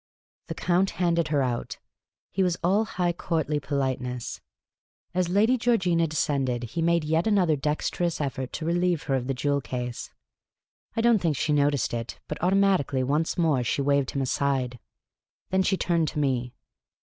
The Count handed her out ; he was all high courtly polite THAT SUCCKEDS? TUK SHABBY LOOKINd MAN MUTTERKD. ness. As Lady Georgina descended, he made yet another dexterous effort to relieve her of the jewel case. I don't think she noticed it, but automatically once more .she waved him aside. Then she turned to me.